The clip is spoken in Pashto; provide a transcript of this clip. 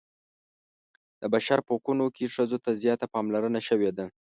د بشر په حقونو کې ښځو ته زیاته پاملرنه شوې ده.